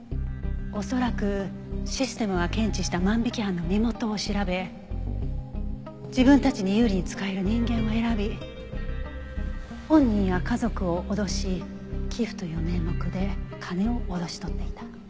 恐らくシステムが検知した万引き犯の身元を調べ自分たちに有利に使える人間を選び本人や家族を脅し寄付という名目で金を脅し取っていた。